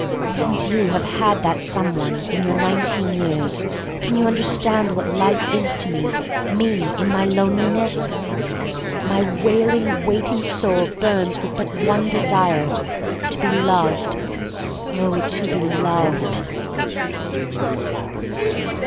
Since you have had that some one, in your nineteen years, can you under stand what life is to me — me — in my loneliness? THE STORY OF MARY MAC LANE 28 1 My wailing, waiting soul burns with but one desire: to be loved — oh^ to be loved.